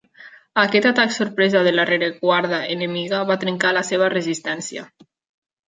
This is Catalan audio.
Aquest atac sorpresa de la rereguarda enemiga va trencar la seva resistència.